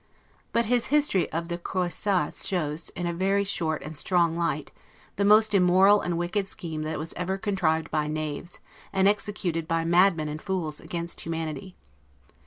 But his history of the 'Croisades' shows, in a very short and strong light, the most immoral and wicked scheme that was ever contrived by knaves, and executed by madmen and fools, against humanity.